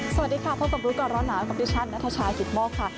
สวัสดีค่ะพบกับรู้ก่อนร้อนหนาวกับดิฉันนัทชายกิตโมกค่ะ